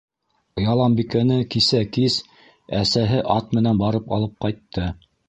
Яланбикәне кисә кис әсәһе ат менән барып алып ҡайтты.